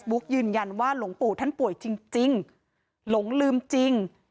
ยืนยันว่าหลวงปู่ท่านป่วยจริงหลงลืมจริง